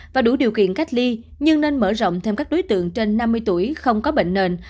và đủ điều kiện cách ly nhưng nên mở rộng thêm các đối tượng trên năm mươi tuổi không có bệnh nền